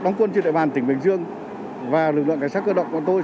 đóng quân trên đại bàn tỉnh bình dương và lực lượng cảnh sát cơ động của tôi